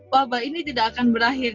wabah ini tidak akan berakhir